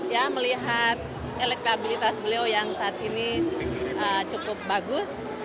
ya melihat elektabilitas beliau yang saat ini cukup bagus